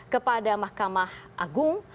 kepada mahkamah agung